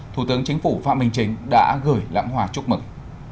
thủ tướng chính phủ phạm minh chính đã gửi lãng hòa chúc mừng